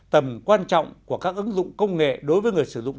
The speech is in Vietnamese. tầm quan trọng của các ứng dụng công nghệ đối với người sử dụng